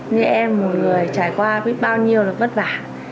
như em một người trải qua biết bao nhiêu là vất vả